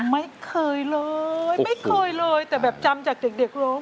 ไม่เคยเลยไม่เคยเลยแต่แบบจำจากเด็กรู้